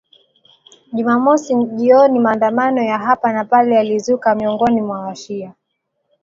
Jumamosi jioni maandamano ya hapa na pale yalizuka miongoni mwa washia